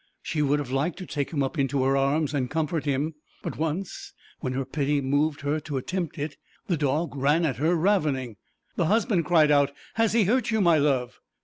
She would have liked to take him up in her arms and comfort him; but once when her pity moved her to attempt it, the dog ran at her ravening. The husband cried out: 'Has he hurt you, my Love?'